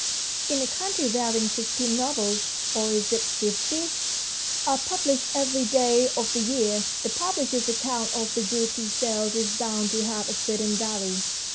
In a country wherein fifteen novels or is it fifty ? are published every day of the year, the publisher's account of the goods he sells is bound to have a certain value.